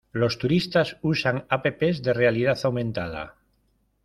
Los turistas usan apps de realidad aumentada.